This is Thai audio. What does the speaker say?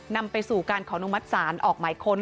นำไปสู่การขอนุมัติศาลออกหมายค้น